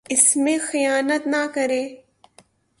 اس میں خیانت نہ کرے